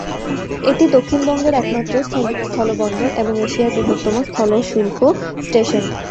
এটি দক্ষিণবঙ্গের একমাত্র স্থলবন্দর এবং এশিয়ার বৃহত্তম স্থল শুল্ক-স্টেশন।